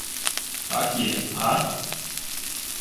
— Так є, га?